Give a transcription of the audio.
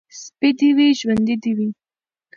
سپى دي وي ، ژوندى دي وي.